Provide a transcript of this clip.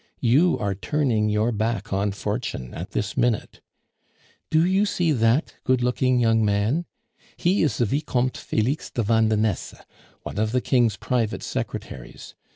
You are turning your back on fortune at this minute. Do you see that good looking young man? He is the Vicomte Felix de Vandenesse, one of the King's private secretaries.